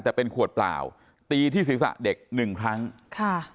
แต่เป็นขวดเปล่าตีที่ศีรษะเด็กหนึ่งครั้งค่ะ